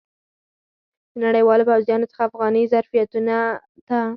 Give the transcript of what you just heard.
د نړیوالو پوځیانو څخه افغاني ظرفیتونو ته.